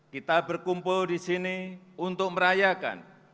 kita berkumpul di sini untuk merayakan